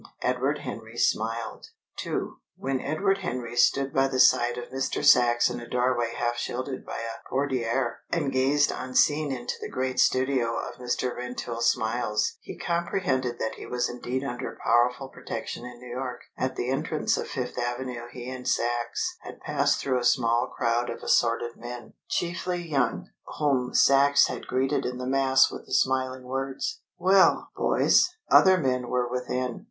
Edward Henry smiled. II. When Edward Henry stood by the side of Mr. Sachs in a doorway half shielded by a portière, and gazed unseen into the great studio of Mr. Rentoul Smiles, he comprehended that he was indeed under powerful protection in New York. At the entrance on Fifth Avenue he and Sachs had passed through a small crowd of assorted men, chiefly young, whom Sachs had greeted in the mass with the smiling words, "Well, boys!" Other men were within.